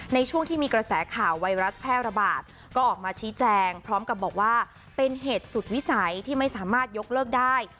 ในช่วงที่มีกระแสข่าวไวรัสแพร่ระบาดก็ออกมาชี้แจงพร้อมกับบอกว่าเป็นเหตุสุดวิสัยที่ไม่สามารถยกเลิกได้